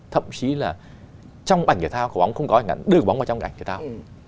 thậm chí là trong ảnh thể thao của bóng không có đưa cổ bóng vào trong ảnh thể thao